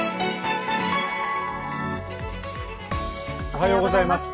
おはようございます。